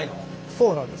そうなんです。